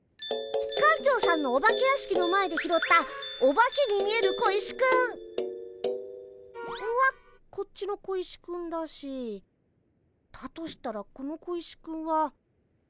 館長さんのお化け屋敷の前で拾ったお化けに見える小石くん！はこっちの小石くんだしだとしたらこの小石くんは。